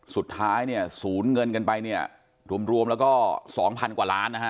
สุดท้ายเนี่ยสูญเงินกันไปเนี่ยรวมแล้วก็สองพันกว่าล้านนะฮะ